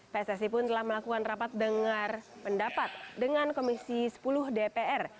pssi pun telah melakukan rapat dengar pendapat dengan komisi sepuluh dpr